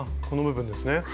この部分ですね。